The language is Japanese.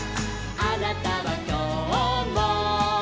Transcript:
「あなたはきょうも」